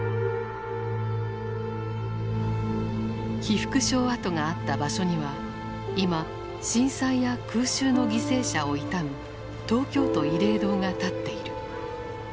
被服廠跡があった場所には今震災や空襲の犠牲者を悼む東京都慰霊堂が立っている。